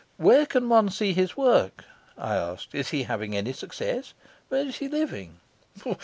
"Where can one see his work?" I asked. "Is he having any success? Where is he living?"